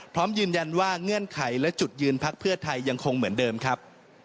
พร้อมยืนยันว่าเงื่อนไขและจุดยืนพักเพื่อไทยยังคงเหมือนเดิมครับ